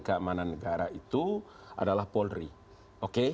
keamanan negara itu adalah polri oke